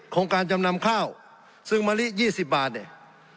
ของการจำนำข้าวซึ่งมะลิ๒๐บาทเนี่ย